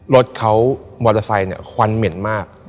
รถเขามอเตอร์ไซค์เนี่ยควันเหม็นมาก